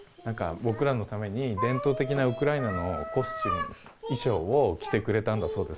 僕らのために伝統的なウクライナのコスチューム、衣装を着てくれたんだそうです。